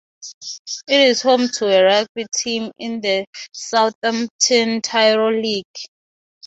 It is home to a rugby team in the Southampton tyro league.